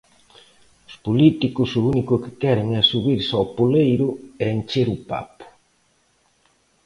Os políticos o único que queren é subirse ao poleiro e encher o papo